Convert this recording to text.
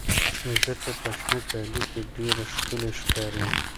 مځکه په شنه کالي کې ډېره ښکلې ښکاري.